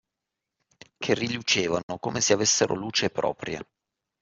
Che rilucevano come se avessero luce propria.